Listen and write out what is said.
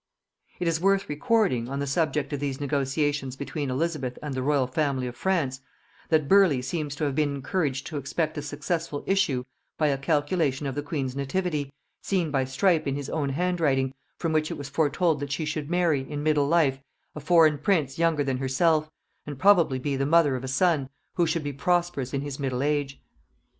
It is worth recording, on the subject of these negotiations between Elizabeth and the royal family of France, that Burleigh seems to have been encouraged to expect a successful issue by a calculation of the queen's nativity, seen by Strype in his own handwriting, from which it was foretold that she should marry, in middle life, a foreign prince younger than herself; and probably be the mother of a son, who should be prosperous in his middle age.